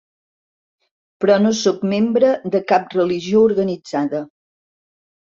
Però no sóc membre de cap religió organitzada.